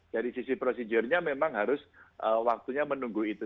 dari sisi prosedurnya memang harus waktunya menunggu itu